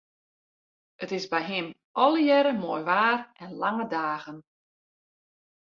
It is by him allegearre moai waar en lange dagen.